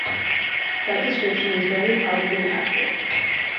That description is very probably accurate.